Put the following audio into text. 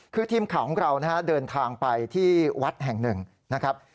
คือทีมข่าวของเรานะฮะเดินทางไปที่วัดแห่งหนึ่งนะครับ